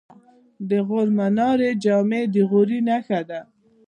د غور منارې جمعې د غوري نښه ده